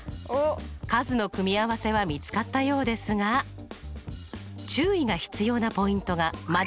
数の組み合わせは見つかったようですが注意が必要なポイントがまだありますね。